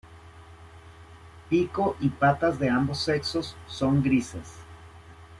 Pico y patas de ambos sexos son grises.